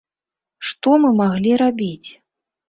Што мы маглі рабіць?